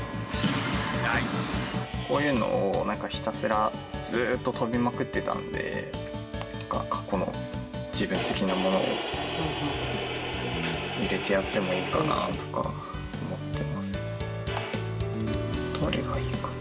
こういうのを、なんかひたすら、ずっと跳びまくってたので、過去の自分的なものを入れてやってもいいかなとか、思ってますね。